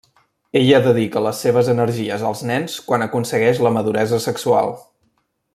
Ella dedica les seves energies als nens quan aconsegueix la maduresa sexual.